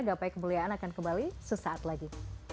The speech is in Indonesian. gapai kemuliaan akan kembali sesaat lagi